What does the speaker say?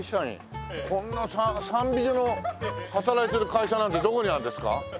こんな３美女の働いてる会社なんてどこにあるんですか？